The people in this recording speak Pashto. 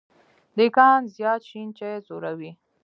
دیکان زیات شين چای څوروي.